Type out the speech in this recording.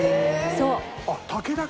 そう。